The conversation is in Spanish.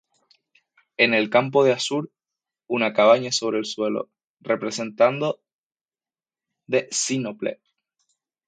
En el campo de azur, una cabaña sobre el suelo, representado de sínople.